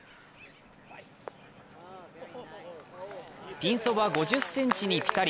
ピンそば５０ｃｍにピタリ。